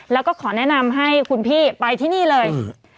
แล้วก็ขอแนะนำให้คุณพี่ไปที่นี่เลย